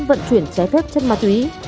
vận chuyển trái phép chân ma túy